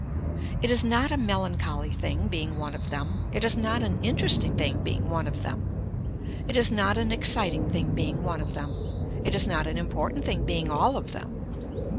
It is not a melancholy thing being one of them. It is not an interesting thing being one of them. It is not an exciting thing being one of them, it is not an important thing being all of them.